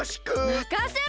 まかせろ！